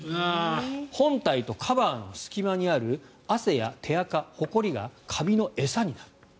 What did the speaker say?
本体とカバーの隙間にある汗や手あか、ほこりがカビの餌になる。